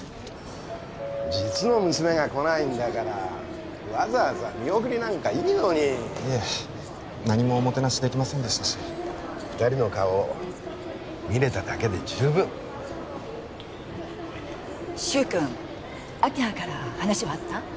実の娘が来ないんだからわざわざ見送りなんかいいのにいえ何もおもてなしできませんでしたし二人の顔を見れただけで十分柊くん明葉から話はあった？